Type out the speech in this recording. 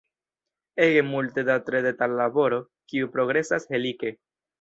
Ege multe da tre detala laboro, kiu progresas helike.